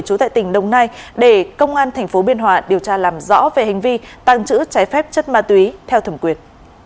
trú tại tỉnh đồng nai để công an tp biên hòa điều tra làm rõ về hành vi tàng trữ trái phép chất ma túy theo thẩm quyền